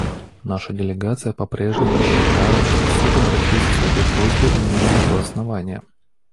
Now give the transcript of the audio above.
Наша делегация попрежнему считает, что Суд обратился с такой просьбой, имея на то основания.